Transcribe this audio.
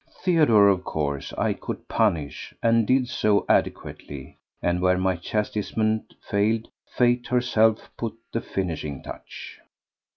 Theodore, of course, I could punish, and did so adequately; and where my chastisement failed, Fate herself put the finishing touch.